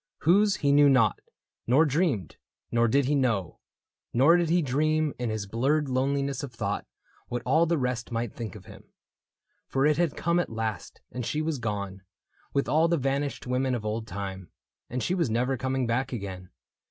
Whose he knew not, nor dreamed ; nor did he know. Nor did he dream, in his blurred loneliness Of thought, what all the rest might think of him. For it had come at last, and she was gone With all the vanished women of old time, — And she was never coming back again.